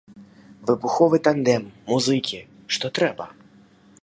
Выбуховы тандэм, музыкі што трэба!